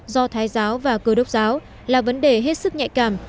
do thái giáo và cơ đốc giáo là vấn đề hết sức nhạy cảm